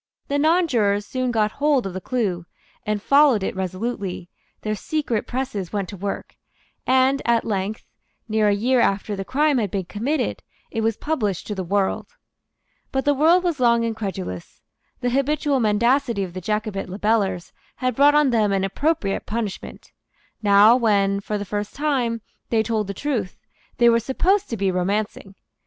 The nonjurors soon got hold of the clue, and followed it resolutely; their secret presses went to work; and at length, near a year after the crime had been committed, it was published to the world. But the world was long incredulous. The habitual mendacity of the Jacobite libellers had brought on them an appropriate punishment. Now, when, for the first time, they told the truth, they were supposed to be romancing.